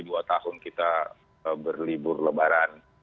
dua tahun kita berlibur lebaran